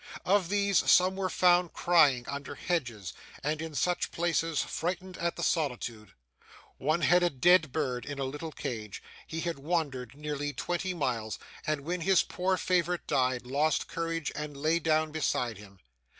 Of these, some were found crying under hedges and in such places, frightened at the solitude. One had a dead bird in a little cage; he had wandered nearly twenty miles, and when his poor favourite died, lost courage, and lay down beside him.